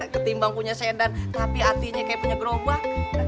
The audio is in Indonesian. ketimbang punya sedan tapi hatinya kayak punya gerobak